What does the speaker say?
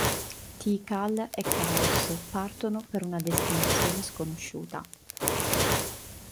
Tikal e Chaos partono per una destinazione sconosciuta.